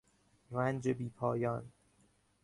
رنج بیپایان